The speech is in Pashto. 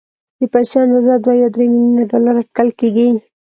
د پيسو اندازه دوه يا درې ميليونه ډالر اټکل کېږي.